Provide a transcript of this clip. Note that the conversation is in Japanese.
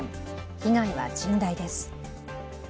被害は甚大です。